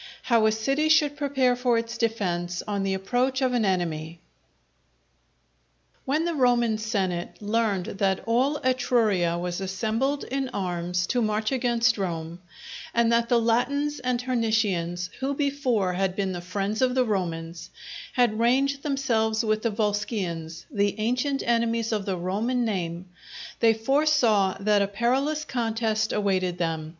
How a City should prepare for its defence on the approach of an Enemy._ When the Roman senate learned that all Etruria was assembled in arms to march against Rome, and that the Latins and Hernicians, who before had been the friends of the Romans, had ranged themselves with the Volscians the ancient enemies of the Roman name, they foresaw that a perilous contest awaited them.